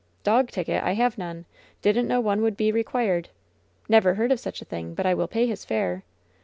^T)og ticket ? I have none. Didn't know one would be required. Never heard of such a thing. But I will pay his fare."